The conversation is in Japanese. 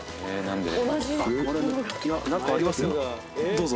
どうぞ。